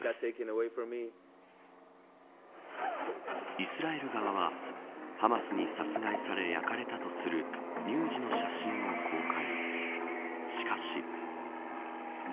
イスラエル側はハマスに殺害され焼かれたとする乳児の写真を公開。